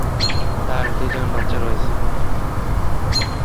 তার দুজন বাচ্চা রয়েছে।